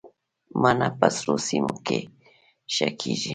مڼه په سړو سیمو کې ښه کیږي